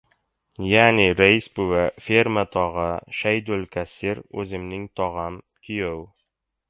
Ya’ni Rais buva, «Ferma tog‘a», Shaydul kassir, o‘zimning tog‘am, kuyov.